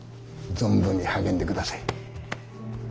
存分に励んでください。